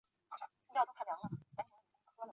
本节介绍拉祜纳方言语音。